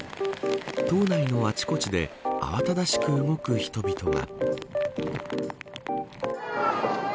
島内のあちこちで慌ただしく動く人々が。